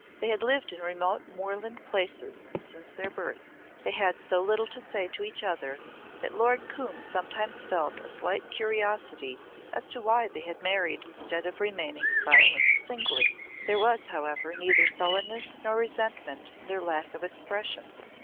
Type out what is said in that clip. They had lived in remote moorland places since their birth. They had so little to say to each other that Lord Coombe sometimes felt a slight curiosity as to why they had married instead of remaining silent singly. There was however neither sullenness nor resentment in their lack of expression.